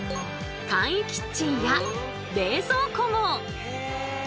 簡易キッチンや冷蔵庫も！